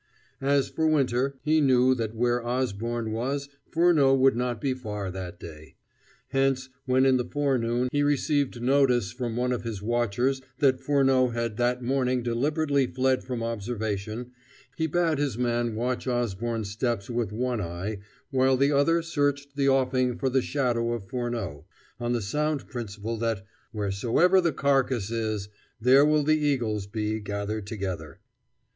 As for Winter, he knew that where Osborne was Furneaux would not be far that day. Hence, when in the forenoon he received notice from one of his watchers that Furneaux had that morning deliberately fled from observation, he bade his man watch Osborne's steps with one eye, while the other searched the offing for the shadow of Furneaux, on the sound principle that "wheresoever the carcase is, there will the eagles be gathered together."